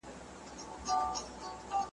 موږ به سبا نوي اسناد موندلي وي.